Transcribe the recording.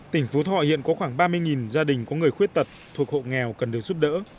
tỉnh phú thọ hiện có khoảng ba mươi gia đình có người khuyết tật thuộc hộ nghèo cần được giúp đỡ